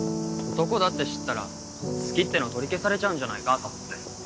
男だって知ったら好きっての取り消されちゃうんじゃないかと思って。